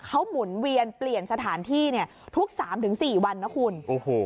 เขาหมุนเวียนเปลี่ยนสถานที่เนี่ยทุกสามถึงสี่วันนะคุณโอ้โห